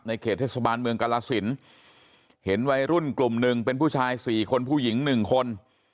เขตเทศบาลเมืองกรสินเห็นวัยรุ่นกลุ่มหนึ่งเป็นผู้ชาย๔คนผู้หญิง๑คน